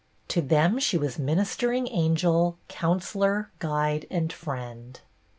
To them she was ministering angel, counsellor, guide, and friend.